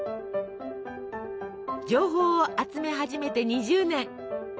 情報を集め始めて２０年。